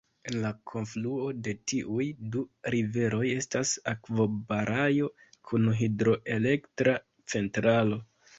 En la kunfluo de tiuj du riveroj estas akvobaraĵo kun hidroelektra centralo.